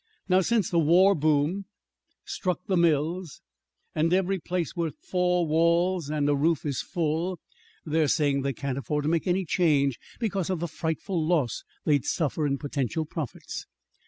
Now, since the war boon struck the mills, and every place with four walls and a roof is full, they're saying they can't afford to make any change because of the frightful loss they'd suffer in potential profits.